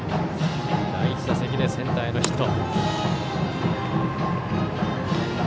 第１打席でセンターへのヒット。